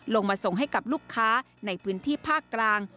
ลงมาส่งให้กับลูกค้าในพื้นที่ภาคกลาง